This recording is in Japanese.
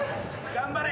・頑張れ。